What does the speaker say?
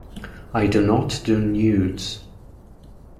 I do not do nudes.